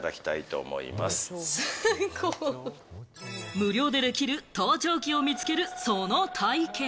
無料でできる、盗聴器を見つけるその体験。